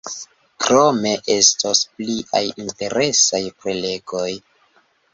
Krome estos pliaj interesaj prelegoj.